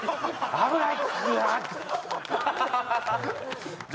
危ない。